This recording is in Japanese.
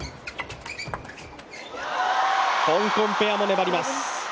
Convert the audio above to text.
香港ペアも粘ります。